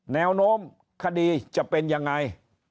แนวโน้มคดีจะเป็นยังไง